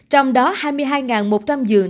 trong đó hai mươi hai một trăm linh dường